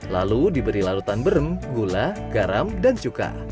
lalu diberi larutan berem gula garam dan cuka